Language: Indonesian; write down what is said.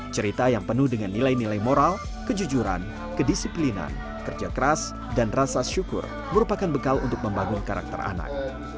cerita yang penuh dengan nilai nilai moral kejujuran kedisiplinan kerja keras dan rasa syukur merupakan bekal untuk membangun karakter anak